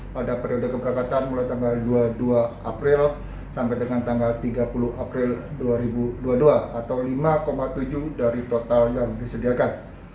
pada periode keberangkatan mulai tanggal dua puluh dua april sampai dengan tanggal tiga puluh april dua ribu dua puluh dua atau lima tujuh dari total yang disediakan